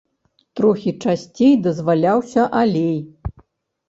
Трохі часцей дазваляўся алей.